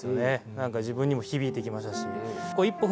何か自分にも響いてきましたし。